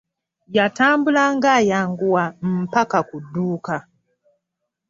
Yatambulanga ayanguwa mpaka ku dduuka.